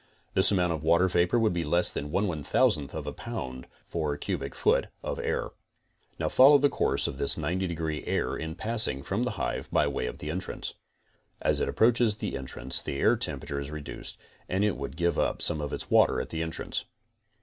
This amount of water vapor would be less than 1 1000 of a pound for one cubic foot of air. Now follow the course of this 90 degree air in passing from the hive by way of the entrance. As it approaches the entrance the temperature is reduced and it would give un some of its water at the entrance.